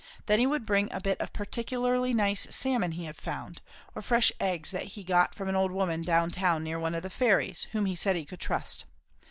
Then he would bring a bit of particularly nice salmon he had found; or fresh eggs that he got from an old woman down town near one of the ferries, whom he said he could trust.